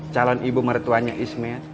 calon ibu mertuanya ismet